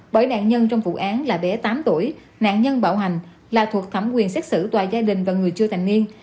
bởi nạn nhân trong vụ án là bé tám tuổi nạn nhân bạo hành là thuộc thẩm quyền xét xử tòa gia đình và người chưa thành niên